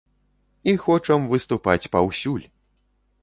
І хочам выступаць паўсюль!